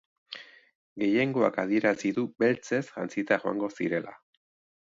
Gehiengoak adierazi du beltzez jantzita joan zirela.